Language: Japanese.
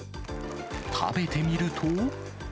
食べてみると。